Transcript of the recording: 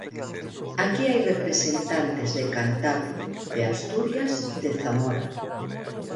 Aquí hai representantes de Cantabria, de Asturias, de Zamora.